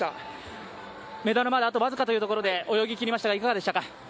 メダルまであとわずかというところで泳ぎ切りましたが、いかがでしたか？